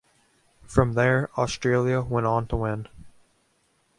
From there, Australia went on to win.